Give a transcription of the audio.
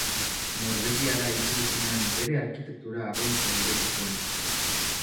Norvegiara itzuli zenean, bere arkitektura agentzia ireki zuen.